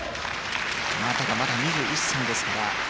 ただ、まだ２１歳ですから。